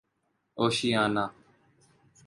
Oceania